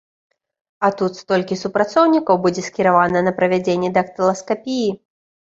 А тут столькі супрацоўнікаў будзе скіравана на правядзенне дактыласкапіі.